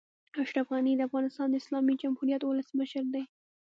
اشرف غني د افغانستان د اسلامي جمهوريت اولسمشر دئ.